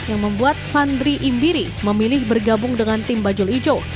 yang membuat fandri imbiri memilih bergabung dengan tim bajul ijo